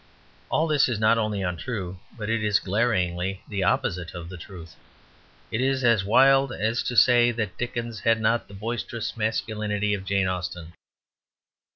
All this is not only untrue, but it is, glaringly, the opposite of the truth; it is as wild as to say that Dickens had not the boisterous masculinity of Jane Austen.